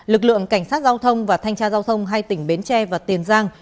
lực lượng cảnh sát giao thông và thanh tra giao thông hai tỉnh bến tre và tiền giang